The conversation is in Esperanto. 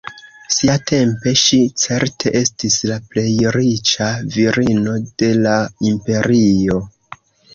Siatempe ŝi certe estis la plej riĉa virino de la imperio.